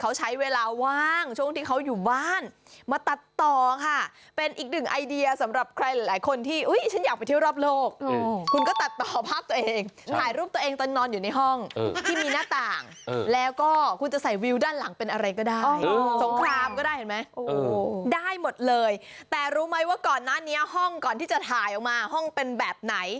เขาใช้เวลาว่างช่วงที่เขาอยู่บ้านมาตัดต่อค่ะเป็นอีกหนึ่งไอเดียสำหรับใครหลายคนที่ฉันอยากไปเที่ยวรอบโลกคุณก็ตัดต่อภาพตัวเองถ่ายรูปตัวเองตอนนอนอยู่ในห้องที่มีหน้าต่างแล้วก็คุณจะใส่วิวด้านหลังเป็นอะไรก็ได้สงครามก็ได้เห็นไหมได้หมดเลยแต่รู้ไหมว่าก่อนหน้านี้ห้องก่อนที่จะถ่ายออกมาห้องเป็นแบบไหน